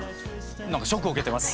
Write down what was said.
なんかショックを受けてます！